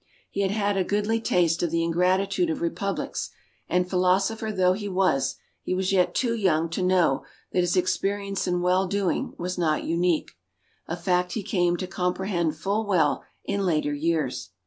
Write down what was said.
He had had a goodly taste of the ingratitude of republics, and philosopher though he was, he was yet too young to know that his experience in well doing was not unique, a fact he came to comprehend full well, in later years.